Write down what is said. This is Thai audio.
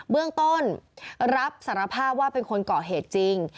เบื้องต้นรับสารภาพว่าเป็นคนก่อเหตุจริง